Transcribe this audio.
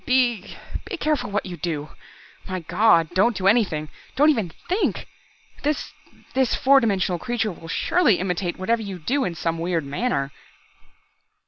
"Be be careful what you do! My God, don't do anything. Don't even think. This this four dimensional creature will surely imitate whatever you do in some weird manner."